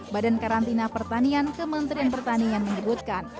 badan karantina pertanian kementerian pertanian menyebutkan